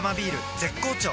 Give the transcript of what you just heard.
絶好調